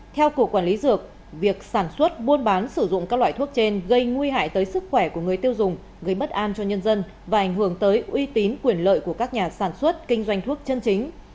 theo cục quản lý dược việc sản xuất buôn bán sử dụng các loại thuốc trên gây nguy hại tới sức khỏe của người tiêu dùng gây bất an cho nhân dân và ảnh hưởng tới uy tín quyền lợi của các nhà sản xuất kinh doanh thuốc chân chính